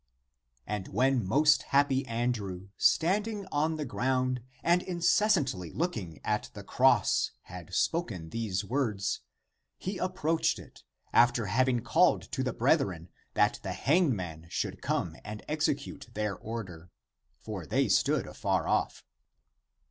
25) And when most happy Andrew, standing on the ground and incessantly looking at the cross, had spoken these words, <he approached it> after having called to the brethren that the hangman should come and execute their order; for they stood afar off.